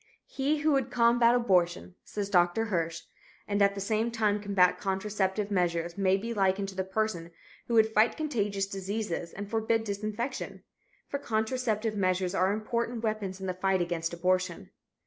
"He who would combat abortion," says Dr. Hirsch, "and at the same time combat contraceptive measures may be likened to the person who would fight contagious diseases and forbid disinfection. For contraceptive measures are important weapons in the fight against abortion.